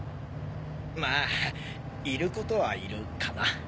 まあいることはいるかな。